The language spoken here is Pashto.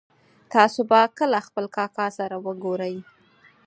تاسو به کله خپل کاکا سره ګورئ